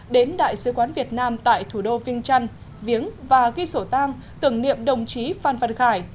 đến đại sứ quán việt nam tại thủ đô vinh trân viếng và ghi sổ tang tưởng niệm đồng chí phan văn khải